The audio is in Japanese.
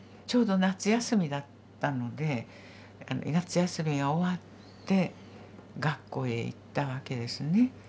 ちょうど夏休みだったので夏休みが終わって学校へ行ったわけですね。